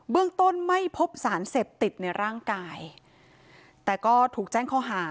เรื่องต้นไม่พบสารเสพติดในร่างกายแต่ก็ถูกแจ้งข้อหา